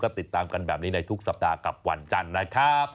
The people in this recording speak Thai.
ติดตามกันแบบนี้ในทุกสัปดาห์กับวันจันทร์นะครับ